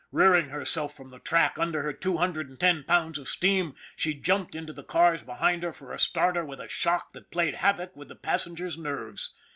Rearing herself from the track under her two hundred and ten pounds of steam, she jumped into the cars behind her for a starter with a shock that played havoc with the passengers' nerves.